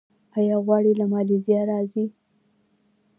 آیا غوړي له مالیزیا راځي؟